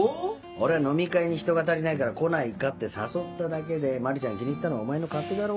俺は飲み会に人が足りないから「来ないか？」って誘っただけでマリちゃんを気に入ったのはお前の勝手だろ？